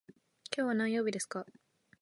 今日は何曜日ですか。